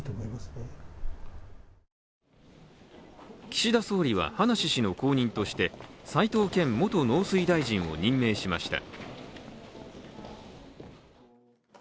岸田総理は葉梨氏の後任として齋藤健元農水大臣を任命しました。